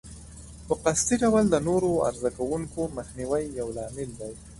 په قصدي ډول د نورو عرضه کوونکو مخنیوی یو لامل دی.